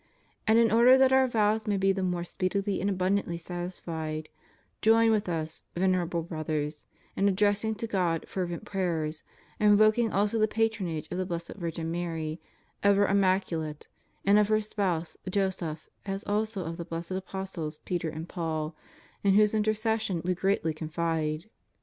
And in order that our vows may be the more speedily and abun dantly satisfied, join with Us, Venerable Brothers, in ad dressing to God fervent prayers, invoking also the patron age of the Blessed Virgin Mary, ever immaculate, and of her spouse, Joseph, as also of the blessed Apostles, Peter and Paul, in whose intercession we greatly confide.